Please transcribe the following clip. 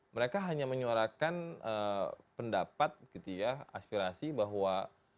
mereka hanya menyuarakan pendapat gitu ya aspirasi bahwa